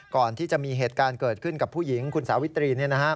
ก่อนที่จะมีเหตุการณ์เกิดขึ้นกับผู้หญิงคุณสาวิตรี